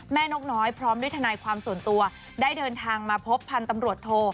นกน้อยพร้อมด้วยทนายความส่วนตัวได้เดินทางมาพบพันธุ์ตำรวจโท